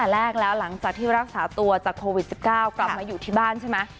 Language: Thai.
รักษาตัวจากโควิด๑๙กลับมาอยู่ที่บ้านใช่ไหม